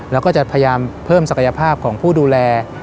แล้วก็จะพยายามเพิ่มศักยภาพของผู้ดูแล